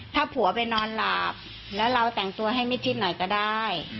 ถ้าผัวไปนอนหลับแล้วเราแต่งตัวให้มิดชิดหน่อยก็ได้